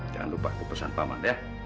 jangan lupa kepesan paman ya